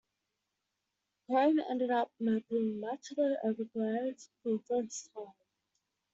Krome ended up mapping much of Everglades for the first time.